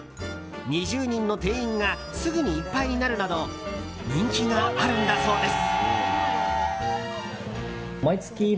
２０人の定員がすぐにいっぱいになるなど人気があるんだそうです。